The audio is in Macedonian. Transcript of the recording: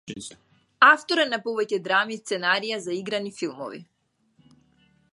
Автор е на повеќе драми и сценарија за играни филмови.